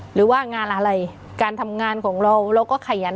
หรือว่างานอะไรการทำงานของเราเราก็ขยัน